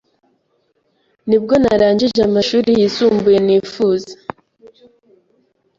nibwo narangije amashuri yisumbuye nifuza